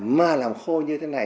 mà làm khô như thế này